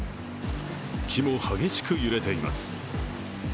木も激しく揺れています。